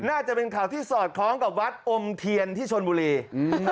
น่าจะเป็นข่าวที่สอดคล้องกับวัดอมเทียนที่ชนบุรีอืม